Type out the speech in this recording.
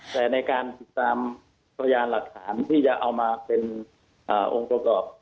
แต่ในการติดตามพยานหลักฐานที่จะเอามาเป็นองค์ประกอบ